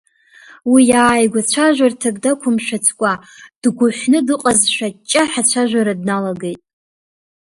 Уи, ааигәа цәажәарҭак дақәымшәацкәа, дгәыҳәны дыҟазшәа, аҷҷаҳәа ацәажәара дналагеит.